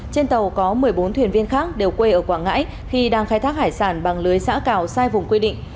trên tàu có một mươi bốn thuyền viên khác đều quê ở quảng ngãi khi đang khai thác hải sản bằng lưới giã cào sai vùng quy định